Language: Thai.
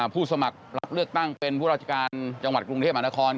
ผู้สมัครรับเลือกตั้งเป็นผู้ราชการจังหวัดกรุงเทพมหานคร